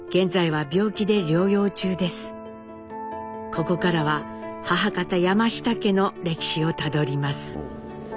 ここからは母方山下家の歴史をたどります。